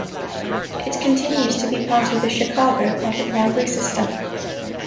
It continues to be part of the Chicago Public Library system.